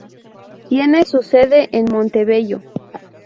Tiene su sede en Montebello.